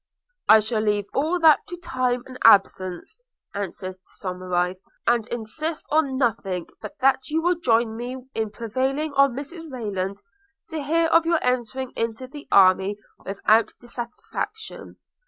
'I shall leave all that to time and absence,' answered Somerive; 'and insist on nothing but that you will join with me in prevailing on Mrs Rayland to hear of your entering into the army without dissatisfaction.